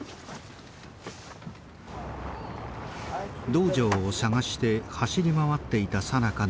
道場を探して走り回っていたさなかの出来事でした。